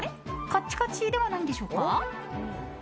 カッチカチではないんでしょうか。